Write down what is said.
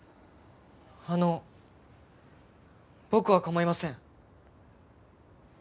あの僕は構いません。